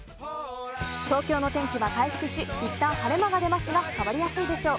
東京の天気は回復しいったん晴れ間が出ますが変わりやすいでしょう。